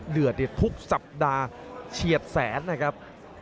เดือดทุกสัปดาห์เฉียดแสนนะครับ